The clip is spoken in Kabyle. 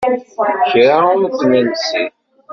Kra ur t-nelsi.